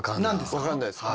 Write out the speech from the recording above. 分かんないですか？